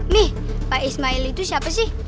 nih pak ismail itu siapa sih